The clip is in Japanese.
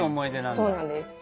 そうなんです。